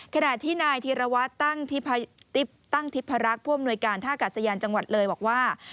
ขณะที่นายธีรวัตรตั้งทิพรักษ์ผู้อำนวยการท่ากาศยานจังหวัดเลยบอกว่า